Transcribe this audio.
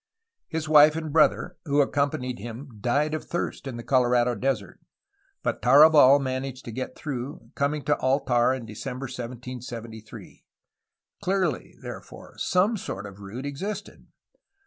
His wife and brother, who accompanied him, died of thirst in the Colorado Desert, but Tarabal managed to get through, coming to Altar in December 1773. Clearly, therefore, some sort of route existed.